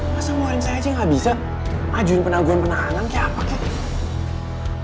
masa warin saya aja gak bisa majuin penangguan penanganan kayak apa